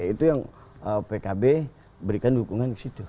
itu yang pkb berikan dukungan ke situ